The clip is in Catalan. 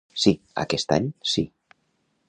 Sí, aquest any sí.